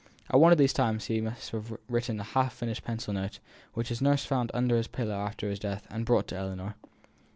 At one of these times he must have written a half finished pencil note, which his nurse found under his pillow after his death, and brought to Ellinor.